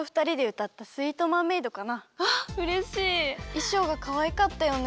いしょうがかわいかったよね。